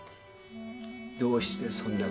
どうしてそんなことを？